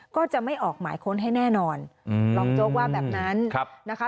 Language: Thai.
ก็จะไม่ออกหมายค้นให้แน่นอนรองโจ๊กว่าแบบนั้นนะคะ